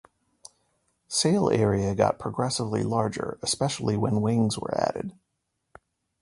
Sail area got progressively larger especially when wings were added.